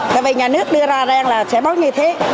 tại vì nhà nước đưa ra răng là sẽ bóp như thế